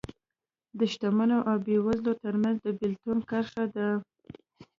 د شتمنو او بېوزلو ترمنځ د بېلتون کرښه ده